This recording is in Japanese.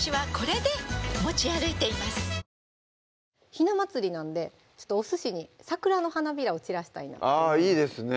ひな祭りなんでちょっとおすしに桜の花びらを散らしたいなってあっいいですね